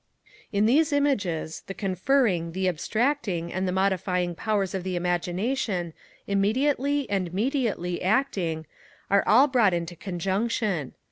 In these images, the conferring, the abstracting, and the modifying powers of the Imagination, immediately and mediately acting, are all brought into conjunction.